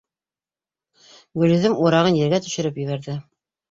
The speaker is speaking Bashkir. Гөлйөҙөм урағын ергә төшөрөп ебәрҙе.